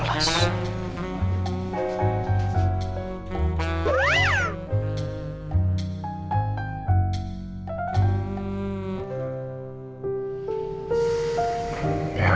kamu buang aja